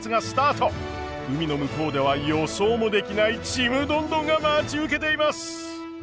海の向こうでは予想もできないちむどんどんが待ち受けています。